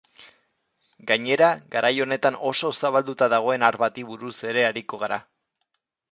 Gainera, garai honetan oso zabalduta dagoen har bati buruz ere ariko gara.